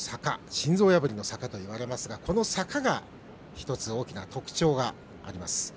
心臓破りの坂といわれますがこの坂が一つ大きな特徴があります。